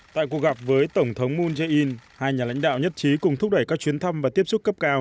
tại cuộc gặp với tổng thống moon jae in hai nhà lãnh đạo nhất trí cùng thúc đẩy các chuyến thăm và tiếp xúc cấp cao